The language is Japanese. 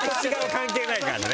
関係ないからね。